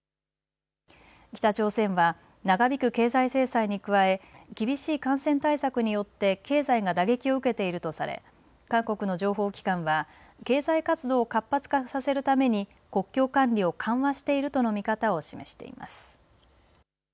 北朝鮮は長引く経済制裁に加え厳しい感染対策によって経済が打撃を受けているとされ韓国の情報機関は経済活動を活発化させるために国境管理を緩和しているとの見方を示しています。